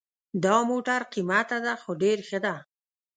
دا موټر قیمته ده خو ډېر ښه ده